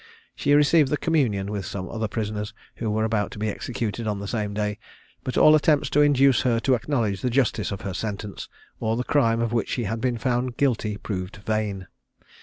She received the communion with some other prisoners, who were about to be executed on the same day, but all attempts to induce her to acknowledge the justice of her sentence, or the crime of which she had been found guilty, proved vain.